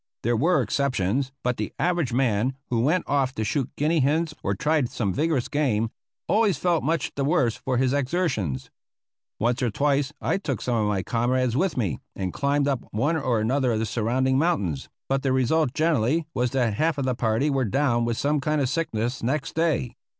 There were exceptions; but the average man who went off to shoot guinea hens or tried some vigorous game always felt much the worse for his exertions. Once or twice I took some of my comrades with me, and climbed up one or another of the surrounding mountains, but the result generally was that half of the party were down with some kind of sickness next day.